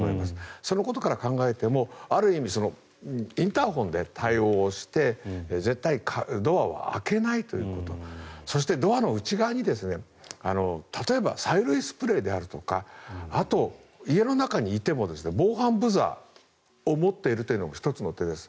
そのことから考えてもある意味インターホンで対応して絶対にドアを開けないということそして、ドアの内側に例えば催涙スプレーであるとかあと、家の中にいても防犯ブザーを持っているのも１つの手です。